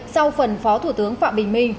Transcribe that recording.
sau phần phó thủ tướng phạm bình minh